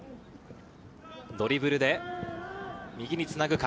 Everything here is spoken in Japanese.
ドリブルで右につなぐか？